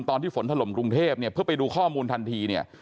ตอนที่ฝนถล่มกรุงเทพเนี่ยเพื่อไปดูข้อมูลทันทีเนี่ย